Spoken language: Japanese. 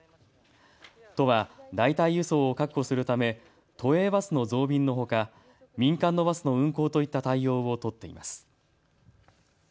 都は代替輸送を確保するため都営バスの増便のほか民間のバスの運行といった対応を都っています。